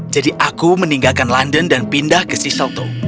jadi aku meninggalkan london dan pindah ke sisseltoe